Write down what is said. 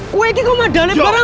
kau ini kau madani barang